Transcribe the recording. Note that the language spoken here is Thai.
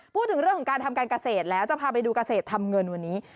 พูดถึงเรื่องของการทำการเกษตรแล้วจะพาไปดูเกษตรทำเงินวันนี้